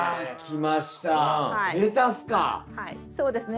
はいそうですね。